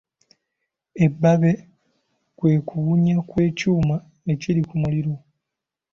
Ebbabe kwe kuwunya kw’ekyuma ekiri ku muliro.